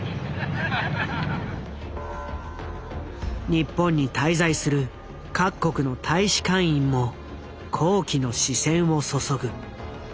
日本に滞在する各国の大使館員も好奇の視線を注ぐ。